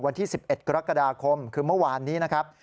วันที่๑๑กรกฎาคมคือเมื่อวานนี้นะครับ